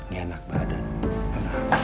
gak enak badan